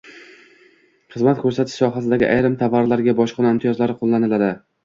Xizmat ko‘rsatish sohasidagi ayrim tovarlarga bojxona imtiyozlari qo‘llaniladi